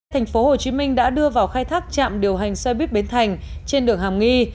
thành phố hồ chí minh đã đưa vào khai thác trạm điều hành xe buýt bến thành trên đường hàm nghi